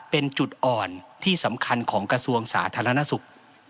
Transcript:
เป็นจุดอ่อนที่สำคัญของกระทรวงสาธารณสุข